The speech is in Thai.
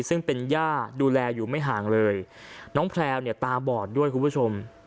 ซึ่งเป็นย่าดูแลอยู่ไม่ห่างเลยน้องแพลวเนี่ยตาบอดด้วยคุณผู้ชม